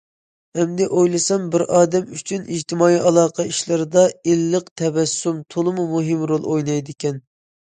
ئەمدى ئويلىسام، بىر ئادەم ئۈچۈن ئىجتىمائىي ئالاقە ئىشلىرىدا« ئىللىق تەبەسسۇم» تولىمۇ مۇھىم رول ئوينايدىكەن.